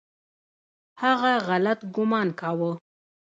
هغه غلط ګومان کاوه .